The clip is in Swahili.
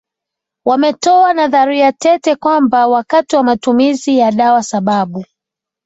wametoa nadharitete kwamba wakati wa matumizi ya dawa sababu